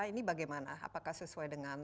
ini bagaimana apakah sesuai dengan